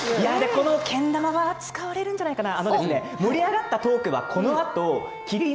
このけん玉使われるんじゃないかな。